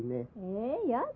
・えやだ。